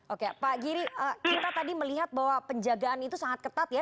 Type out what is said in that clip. oke pak giri kita tadi melihat bahwa penjagaan itu sangat ketat ya